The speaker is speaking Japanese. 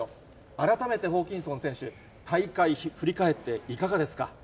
改めてホーキンソン選手、大会振り返っていかがですか？